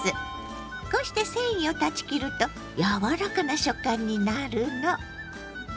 こうして繊維を断ち切ると柔らかな食感になるの。